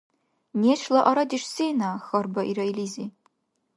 — Нешла арадеш сена? — хьарбаира илизи.